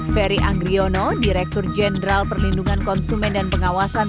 ferry anggriono direktur jenderal perlindungan konsumen dan pengawasan